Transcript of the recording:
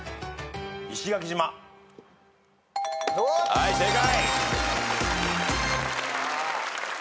はい正解。